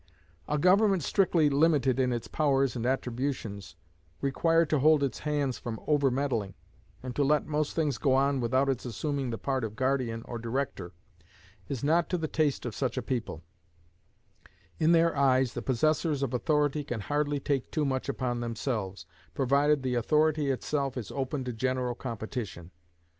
A government strictly limited in its powers and attributions, required to hold its hands from overmeddling, and to let most things go on without its assuming the part of guardian or director, is not to the taste of such a people; in their eyes the possessors of authority can hardly take too much upon themselves, provided the authority itself is open to general competition.